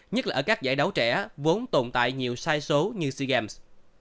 nhất là ở các giải đấu trẻ vốn tồn tại nhiều sai số như sea games